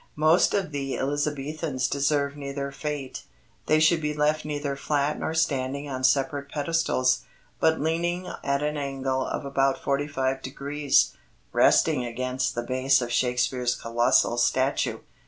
Most of the Elizabethans deserve neither fate. They should be left neither flat nor standing on separate pedestals, but leaning at an angle of about forty five degrees resting against the base of Shakespeare's colossal statue.